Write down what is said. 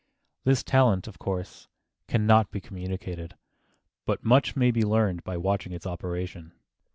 This talent, of course, can not be communicated, but much may be learned by watching its operation.